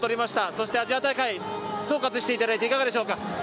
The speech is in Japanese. そして、アジア大会総括していただいていかがですか。